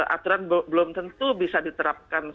aturan belum tentu bisa diterapkan